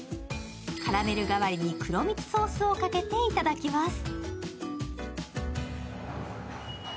カラメル代わりに黒蜜ソースをかけていただきます。